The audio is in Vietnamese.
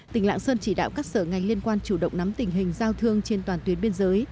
tỉnh lạng sơn chỉ đạo các sở ngành liên quan chủ động nắm tình hình giao thương trên toàn tuyến biên giới